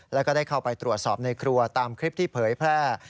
แล้วก็ได้เข้าไปตรวจสอบในครัวตามคลิปที่เผยแพร่